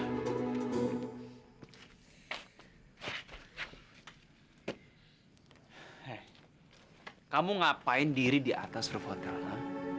eh kamu ngapain diri di atas revoltel nara